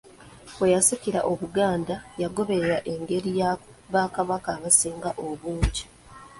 Bwe yasikira Obuganda yagoberera engeri ya Bakabaka abasinga obungi.